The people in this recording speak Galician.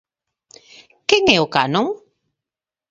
Quen é o canon?